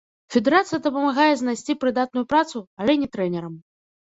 Федэрацыя дапамагае знайсці прыдатную працу, але не трэнерам.